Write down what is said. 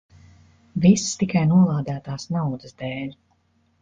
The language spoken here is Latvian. Viss tikai nolādētās naudas dēļ.